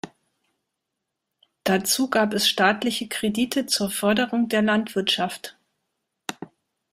Dazu gab es staatliche Kredite zur Förderung der Landwirtschaft.